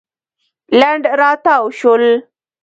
لنډ راتاو شول.